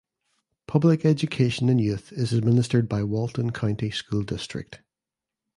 Public education in Youth is administered by Walton County School District.